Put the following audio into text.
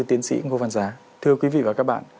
tiến sĩ ngô văn giá thưa quý vị và các bạn